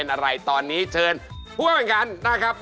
อ๋ออันนี้มีณที่นวด